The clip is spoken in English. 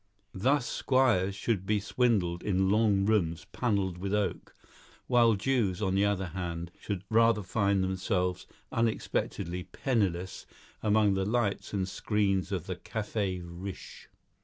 Thus squires should be swindled in long rooms panelled with oak; while Jews, on the other hand, should rather find themselves unexpectedly penniless among the lights and screens of the Café Riche.